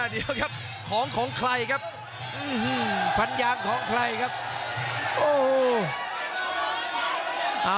เดี๋ยวครับของของใครครับฟันยางของใครครับโอ้โห